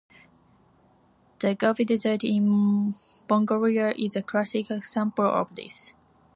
The Gobi Desert in Mongolia is a classic example of this.